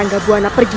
tidak ada apa namanya